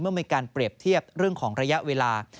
มีการเปรียบเทียบเรื่องของระยะเวลา